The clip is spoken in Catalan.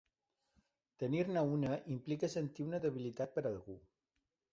Tenir-ne una implica sentir una debilitat per algú.